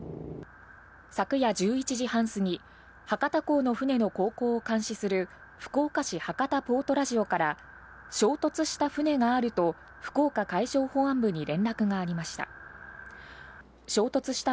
昨夜１１時半過ぎ、博多港の船の航行を監視する福岡市はかたポートラジオから衝突した船があると福岡海上保安部に連絡がありました。